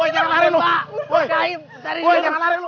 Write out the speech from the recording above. jangan lari lu